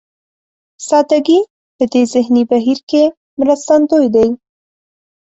سادهګي په دې ذهني بهير کې مرستندوی دی.